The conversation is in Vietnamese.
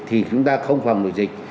thì chúng ta không phòng đội dịch